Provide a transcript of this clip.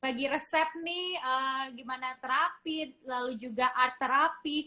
bagi resep nih gimana terapi lalu juga art terapi